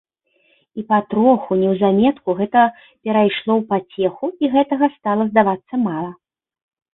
І патроху, неўзаметку, гэта перайшло ў пацеху і гэтага стала здавацца мала.